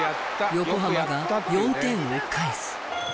横浜が４点を返す。